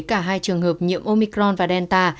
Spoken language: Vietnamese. cả hai trường hợp nhiễm omicron và delta